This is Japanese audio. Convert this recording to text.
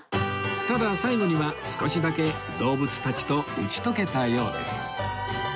ただ最後には少しだけ動物たちと打ち解けたようです